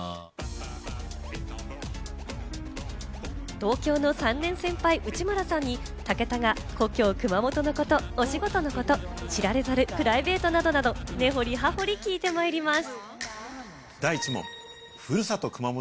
同郷の３年先輩、内村さんに武田が故郷・熊本のこと、お仕事のこと、知られざるプライベートなどなど、根掘り葉掘り聞いてまいります。